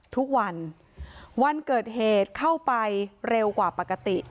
ทุกวันวันเกิดเหตุเข้าไปเร็วกว่าปกติ